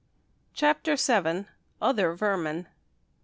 CHAPTER VII. OTHER VERMIN.